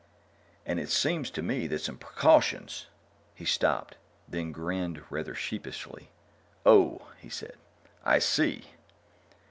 "And it seems to me that some precautions " He stopped, then grinned rather sheepishly. "Oh," he said, "I see."